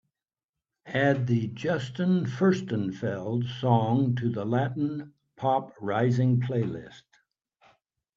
Add the Justin Furstenfeld song to the latin pop rising playlist.